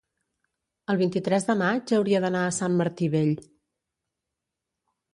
el vint-i-tres de maig hauria d'anar a Sant Martí Vell.